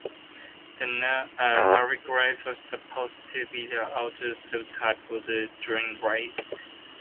The "Noric race" was supposed to be a lighter sub-type of the Dinaric race.